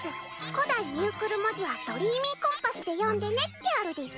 「古代ミュークル文字はドリーミーコンパスで読んでね」ってあるです。